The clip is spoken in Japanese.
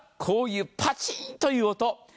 こういうパチーンという音。